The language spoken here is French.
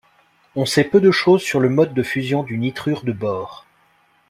On sait peu de choses sur le mode de fusion du nitrure de bore.